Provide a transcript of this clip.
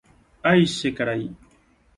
Ái che karai